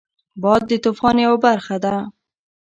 باد د طوفان یو برخه ده